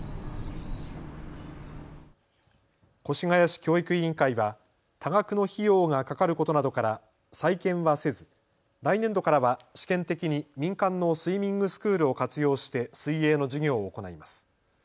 越谷市教育委員会は多額の費用がかかることなどから再建はせず来年度からは試験的に民間のスイミングスクールを活用して水泳の授業を行います。